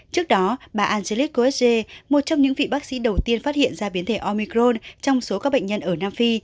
trước đó bà angelis kosge một trong những vị bác sĩ đầu tiên phát hiện ra biến thể omicron trong số các bệnh nhân ở nam phi